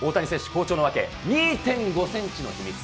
好調の訳、２．５センチの秘密。